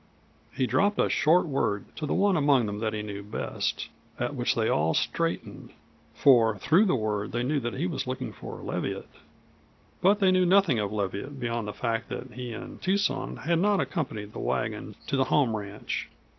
He dropped a short word to the one among them that he knew best, at which they all straightened, for through the word they knew that he was looking for Leviatt. But they knew nothing of Leviatt beyond the fact that he and Tucson had not accompanied the wagon to the home ranch.